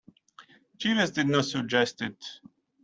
Jeeves did not suggest it.